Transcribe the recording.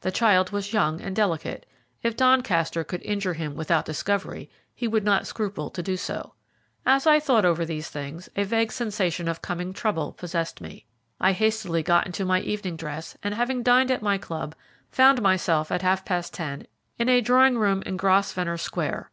The child was young and delicate; if Doncaster could injure him without discovery, he would not scruple to do so. As I thought over these things, a vague sensation of coming trouble possessed me. I hastily got into my evening dress, and having dined at my club, found myself at half past ten in a drawing room in Grosvenor Square.